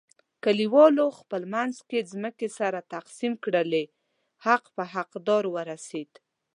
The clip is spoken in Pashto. کلیوالو خپل منځ کې ځمکې سره تقسیم کړلې، حق په حق دار ورسیدا.